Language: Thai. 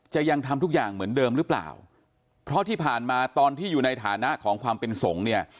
ยังทำทุกอย่างเหมือนเดิมหรือเปล่าเพราะที่ผ่านมาตอนที่อยู่ในฐานะของความเป็นสงฆ์เนี่ย